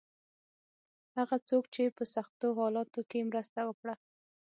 هغه څوک چې په سختو حالاتو کې مرسته وکړه.